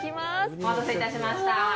お待たせいたしました。